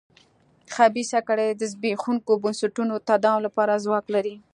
خبیثه کړۍ د زبېښونکو بنسټونو تداوم لپاره ځواک لري.